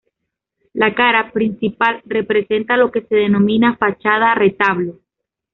La cara principal representa lo que se denomina fachada retablo.